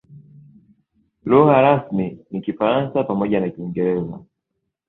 Lugha rasmi ni Kifaransa pamoja na Kiingereza.